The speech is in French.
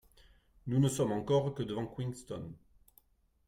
Nous ne sommes encore que devant Queenstown.